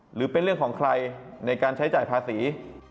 หรือเป็นเรื่องของใครในการใช้จ่ายภาษี